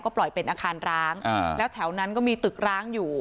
ปล่อยเป็นอาคารร้างแล้วแถวนั้นก็มีตึกร้างอยู่